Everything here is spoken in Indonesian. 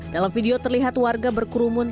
dalam video terlihat warga berkerumun